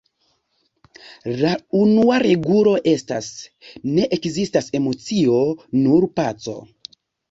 La unua regulo estas: "Ne ekzistas emocio; nur paco".